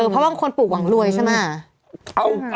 เพราะบางคนปลูกหวังรวยใช่ไหม